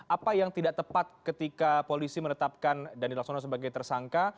apa yang tidak tepat ketika polisi menetapkan dandi laksono sebagai tersangka